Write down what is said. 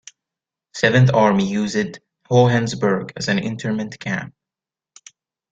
Seventh Army used Hohenasperg as an Internment camp.